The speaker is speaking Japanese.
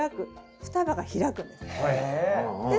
双葉が開くんです。